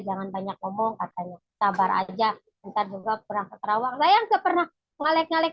jangan banyak ngomong katanya sabar aja entar juga berangkat rawang saya enggak pernah ngalek ngalek